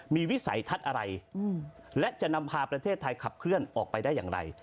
มีวิสัยทัศน์อะไรและจะนำพาประเทศไทยขับเคลื่อนออกไปได้อย่างไร